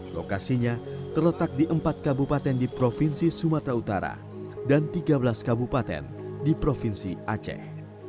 lokasinya terletak di empat kabupaten di provinsi sumatera utara dan tiga belas kabupaten di provinsi aceh